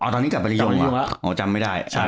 อ๋อตอนนี้กลับไปรียงอะจำไม่ได้